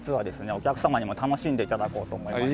お客様にも楽しんで頂こうと思いまして。